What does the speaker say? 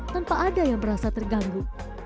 tanpa ada yang merasa terganggu